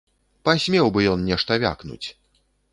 Пасмеў бы ён нешта вякнуць!